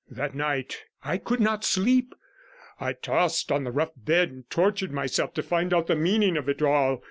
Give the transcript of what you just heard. That night I could not sleep; I tossed on the rough bed and tortured myself to find out the meaning of it all.